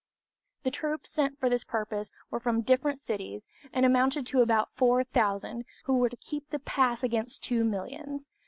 The troops sent for this purpose were from different cities, and amounted to about 4,000 who were to keep the pass against two millions.